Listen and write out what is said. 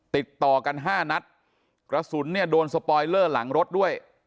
ติดต่อกันห้านัดกระสุนเนี่ยโดนสปอยเลอร์หลังรถด้วย